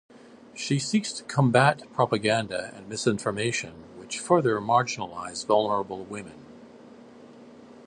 She seeks to combat propaganda and misinformation which further marginalise vulnerable women.